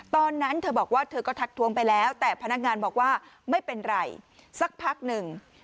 ตอนนั้นเธอบอกว่าเธอก็ทักทวงไปแล้วแต่พนักงานบอกว่าไม่เป็นไรสักพักหนึ่ง